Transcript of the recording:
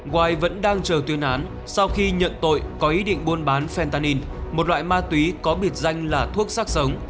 waii vẫn đang chờ tuyên án sau khi nhận tội có ý định buôn bán phentain một loại ma túy có biệt danh là thuốc sắc sống